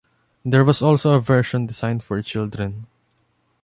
There was also a version designed for children.